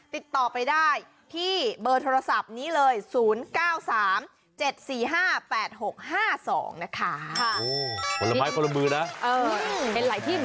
ติดต่อไปได้ที่เบอร์โทรศัพท์นี้เลย